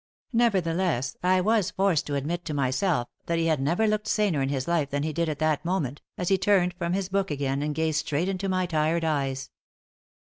Nevertheless, I was forced to admit to myself that he had never looked saner in his life than he did at that moment, as he turned from his book again and gazed straight into my tired eyes.